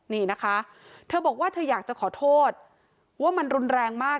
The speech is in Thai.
นี่นะคะเธอบอกว่าเธออยากจะขอโทษว่ามันรุนแรงมาก